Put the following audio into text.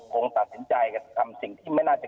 คงตัดสินใจทำสิ่งที่ไม่น่าจะ